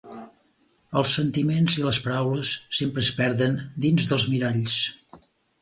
Els sentiments i les paraules sempre es perden dins dels miralls.